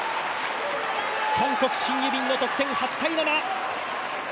韓国シン・ユビンの得点、８−７。